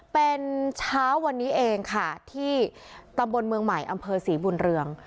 เป็นเช้าวันนี้เองค่ะที่ตำบลเมืองใหม่อำเภอศรีบุญเรือง